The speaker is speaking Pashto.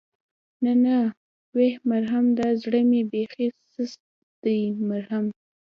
نه نه ويح مرم دا زړه مې بېخي سست دی مرم.